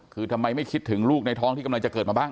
คือทำไมไม่คิดถึงลูกในท้องที่กำลังจะเกิดมาบ้าง